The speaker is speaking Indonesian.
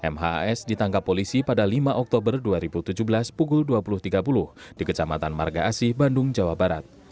mhs ditangkap polisi pada lima oktober dua ribu tujuh belas pukul dua puluh tiga puluh di kecamatan marga asih bandung jawa barat